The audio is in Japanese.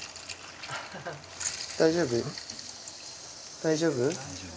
大丈夫？